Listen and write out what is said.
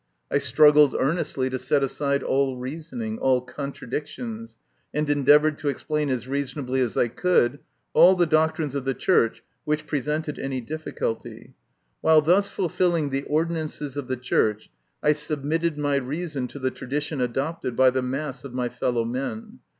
I struggled earnestly to set aside all reasoning, all contradictions, and endeavoured to explain as reasonably as I could all the doctrines of the Church which presented any difficulty. While thus fulfilling the ordinances of the Church, I submitted my reason to the tradition adopted by the mass of my fellow men.